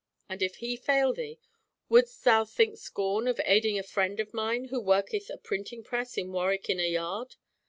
And if he fail thee, wouldst thou think scorn of aiding a friend of mine who worketh a printing press in Warwick Inner Yard?